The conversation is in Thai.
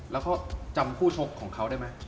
แล้วก็จำคู่ชกของเขาได้ไหม